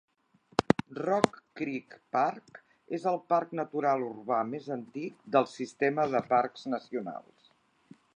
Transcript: Rock Creek Park és el parc natural urbà més antic del sistema de parcs nacionals.